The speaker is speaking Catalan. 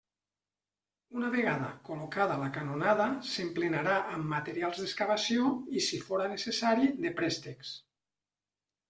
Una vegada col·locada la canonada s'emplenarà amb materials d'excavació i si fóra necessari de préstecs.